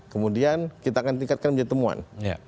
kemudian kita akan tingkatkan menjadi temuan